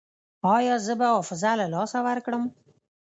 ایا زه به حافظه له لاسه ورکړم؟